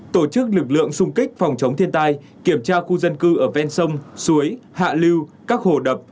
tổ chức lực lượng xung kích phòng chống thiên tai kiểm tra khu dân cư ở ven sông suối hạ lưu các hồ đập